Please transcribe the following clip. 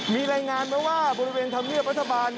มีรายงานมาว่าบริเวณธรรมเนียบรัฐบาล